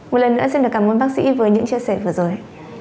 một lần nữa xin được cảm ơn bác sĩ với những chia sẻ vừa rồi